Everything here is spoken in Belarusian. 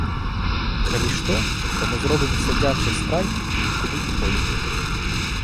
А калі што, то мы зробім сядзячы страйк і нікуды не пойдзем.